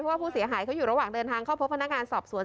ว่าผู้เสียหายเขาอยู่ระหว่างเดินทางเข้าพบพนักงานสอบสวน